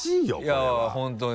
いやぁ本当に。